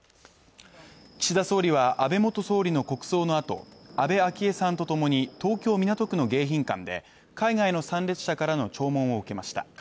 岸田総理は安倍元総理の国葬のあと安倍昭恵さんとともに東京・港区の迎賓館で海外の参列者からの弔問を受けました。